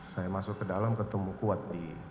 saya masuk ke dalam ketemu kuat di